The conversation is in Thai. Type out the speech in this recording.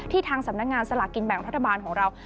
ที่ทางสำนักงานสละกินแบ่งพัฒนาบาลของเรา